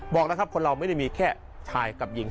บอกนะครับคนเราไม่ได้มีแค่ชายกับหญิง